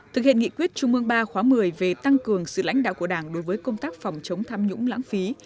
thực hiện nghị quyết trung ương ba khóa một mươi về tăng cường sự lãnh đạo của đảng đối với công tác phòng chống tham nhũng lãng phí